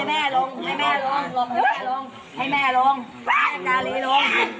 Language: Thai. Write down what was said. ไอ้แม่ให้ดู